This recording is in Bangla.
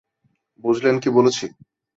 বুঝলেন কী বলছি?